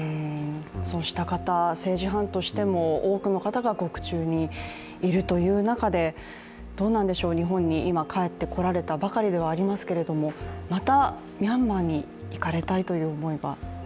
そうした方、政治犯としても多くの方が獄中にいるという中で日本に今、帰ってこられたばかりではありますがまたミャンマーに行かれたいという思いが？